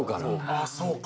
ああそうか。